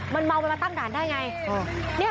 มันเมามันมาตั้งด่านได้ไง